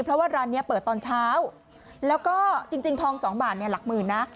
เพราะว่าร้านนี้เปิดตอนเช้าแล้วก็จริงทองสองบาทเนี่ยหลักหมื่นนะ